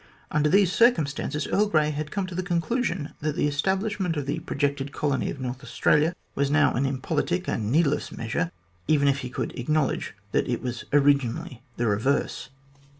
Under these circumstances, Earl Grey had come to the conclusion that the establishment of the projected colony of North Australia was now an impolitic and needless measure, even if he could acknowledge that it was originally the reverse.